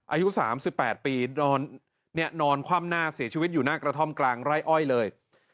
อายุ๓๘ปีนอนคว่ำหน้าเสียชีวิตอยู่หน้ากระท่อมกลางไร่อ้อยเลย